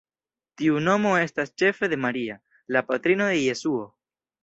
Tiu nomo estas ĉefe de Maria, la patrino de Jesuo.